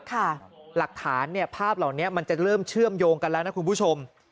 หลักฐานเนี่ยภาพเหล่านี้มันจะเริ่มเชื่อมโยงกันแล้วนะคุณผู้ชม